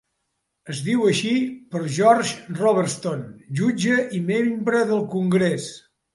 Es diu així per George Robertson, jutge i membre del Congrés.